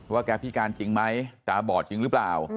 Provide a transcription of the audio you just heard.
แกพิการจริงไหมตาบอดจริงหรือเปล่า